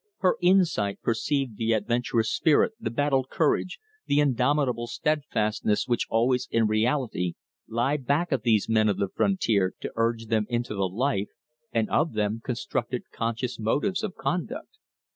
Her insight perceived the adventurous spirit, the battle courage, the indomitable steadfastness which always in reality lie back of these men of the frontier to urge them into the life; and of them constructed conscious motives of conduct.